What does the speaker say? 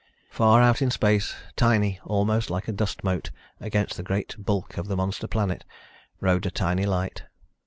Far out in space, tiny, almost like a dust mote against the great bulk of the monster planet, rode a tiny light.